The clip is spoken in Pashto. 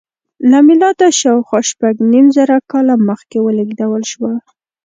له میلاده شاوخوا شپږ نیم زره کاله مخکې ولېږدول شوه.